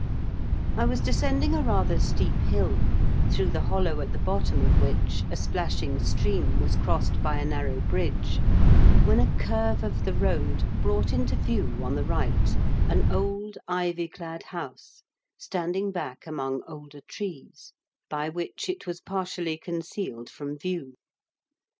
I was descending a rather steep hill, through the hollow at the bottom of which a splashing stream was crossed by a narrow bridge, Lu a curve of the .oad Lglt into view, on the right, an old ivy clad house, standing back among older trees, by which it A mQET m A HAUNTED E0U8JE. 233 was partially concealed from view.